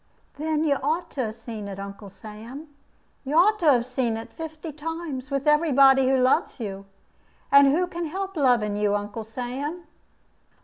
"Then you ought to have seen it, Uncle Sam. You ought to have seen it fifty times, with every body who loves you. And who can help loving you, Uncle Sam?"